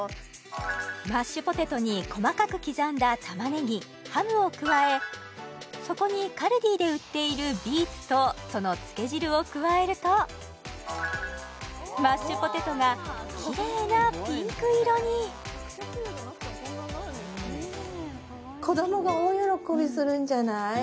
マッシュポテトに細かくそこにカルディで売っているビーツとそのつけ汁を加えるとマッシュポテトがきれいなピンク色に子どもが大喜びするんじゃない？